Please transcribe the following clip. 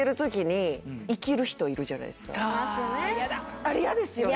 あ嫌だあれ嫌ですよね